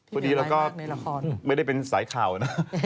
พูดดีแล้วก็ไม่ได้เป็นสายข่าวนะ